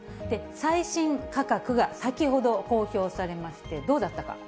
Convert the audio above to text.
最新価格が先ほど公表されまして、どうだったか。